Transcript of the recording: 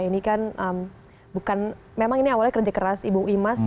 ini kan bukan memang ini awalnya kerja keras ibu imas